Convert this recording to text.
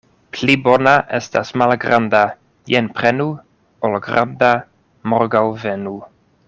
Pli bona estas malgranda "jen prenu" ol granda "morgaŭ venu".